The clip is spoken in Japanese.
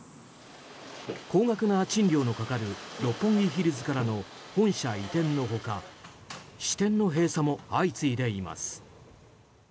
高額な賃料のかかる六本木ヒルズからの本社移転の他支店の閉鎖も相次いでいます。